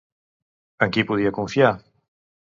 En qui podia confiar?